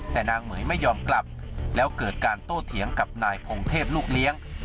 แต่นางเหม๋ยไม่ยอมกลับแล้วเกิดการโต้เถียงกับนายพงเทพลูกเลี้ยง